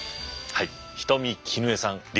はい。